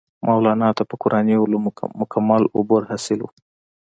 مولانا ته پۀ قرآني علومو مکمل عبور حاصل وو